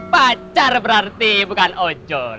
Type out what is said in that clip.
pacar berarti bukan ojol